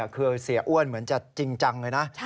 คือเสียอ้วนเหมือนจะจริงจังเลยนะ